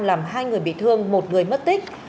làm hai người bị thương một người mất tích